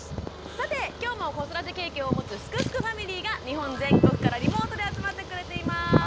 さて今日も子育て経験を持つ「すくすくファミリー」が日本全国からリモートで集まってくれています。